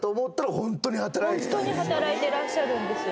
本当に働いていらっしゃるんですよ。